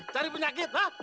cari penyakit ha